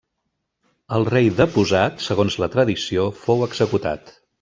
El rei deposat, segons la tradició, fou executat.